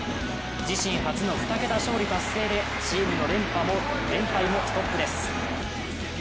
自身初の２桁勝利達成でチームの連敗もストップです。